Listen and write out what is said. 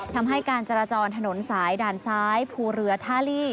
ทำให้การจราจรถนนสายด่านซ้ายภูเรือท่าลี่